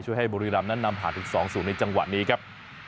ช่วยให้บริรามนั้นนำหาถึงสองสูงในจังหวะนี้ครับ